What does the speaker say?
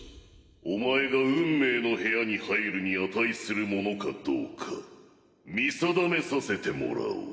お前が運命の部屋に入るに値する者かどうか見定めさせてもらおう。